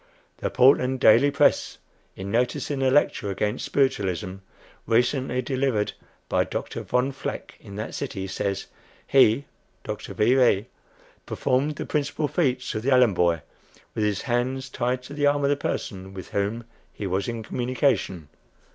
The "Portland Daily Press," in noticing a lecture against Spiritualism, recently delivered by Dr. Von Vleck, in that city, says: "He (Dr. V. V.) performed the principal feats of the Allen boy, with his hands tied to the arm of the person with whom he was in communication."